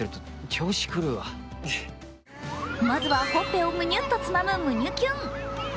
まずは、ほっぺをむにゅっとつまむ、むにゅキュン。